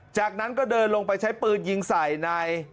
จากนั้นก็เดินลงไปใช้ปืนยิงใส่ใน